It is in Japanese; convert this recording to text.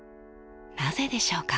なぜでしょうか？